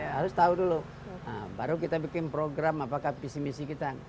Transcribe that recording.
baru baru dulu baru kita bikin program apakah visi visi kita